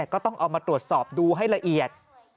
ก็ต้องเอามาตรวจสอบดูให้ละเอียด